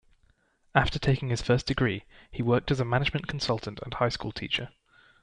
After taking his first degree he worked as a management consultant and high-school teacher.